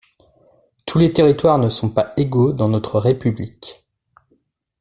Tous les territoires ne sont pas égaux dans notre République.